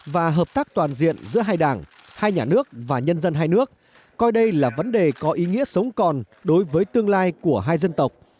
và hợp tác toàn diện giữa hai đảng hai nhà nước và nhân dân hai nước coi đây là vấn đề có ý nghĩa sống còn đối với tương lai của hai dân tộc